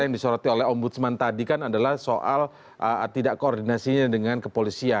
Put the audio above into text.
yang disoroti oleh ombudsman tadi kan adalah soal tidak koordinasinya dengan kepolisian